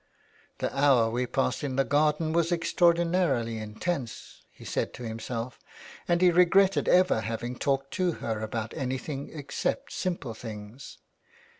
*' The hour we passed in the garden was extraordinarily intense," he said to himself, and he regretted ever having talked to her about anything except simple things.